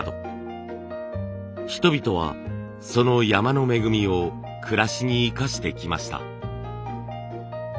人々はその山の恵みを暮らしに生かしてきました。